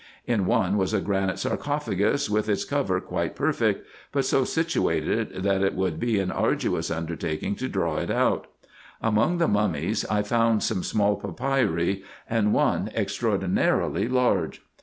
In one was a granite sarcophagus with its cover quite perfect, but so situated, that it would be an arduous undertaking to draw it out. Among the mummies I found some small papyri, and one extraordinarily large.